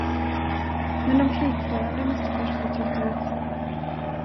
Men de krigförande måste först få trötta ut sig.